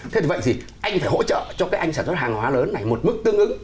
thế vì vậy thì anh phải hỗ trợ cho cái anh sản xuất hàng hóa lớn này một mức tương ứng